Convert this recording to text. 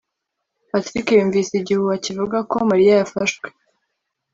patrick yumvise igihuha kivuga ko mariya yafashwe